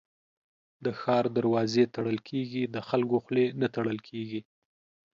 د ښار دروازې تړل کېږي ، د خلکو خولې نه تړل کېږي.